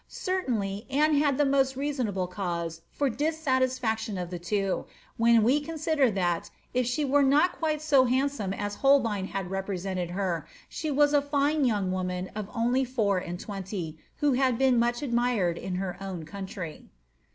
Certainly, Anne had the most reasonable cause for dissaiisfaction of the two, when we consider that, if she were not quite so handsome as liulbein had represented her, she was a line young woman of only four and twenty, who had been much admired in her own country.